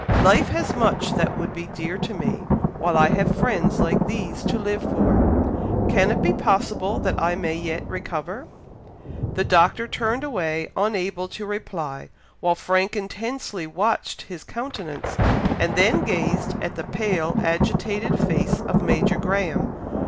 Life has much that would be dear to me, while I have friends like these to live for. Can it be possible that I may yet recover?" The Doctor turned away, unable to reply, while Frank intensely watched his countenance, and then gazed at the pale agitated face of Major Graham.